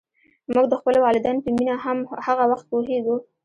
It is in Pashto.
موږ د خپلو والدینو په مینه هغه وخت پوهېږو.